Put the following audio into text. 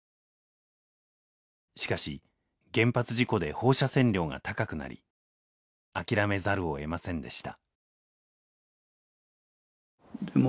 しかし原発事故で放射線量が高くなり諦めざるをえませんでした。